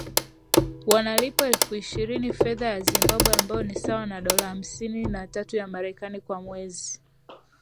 wanalipwa elfu ishirini fedha ya Zimbabwe ambayo ni sawa na dola hamsini na tatu ya Marekani kwa mwezi